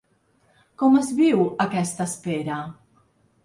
Com és viu aquesta espera?